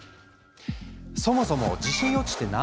そもそも地震予知って何だと思う？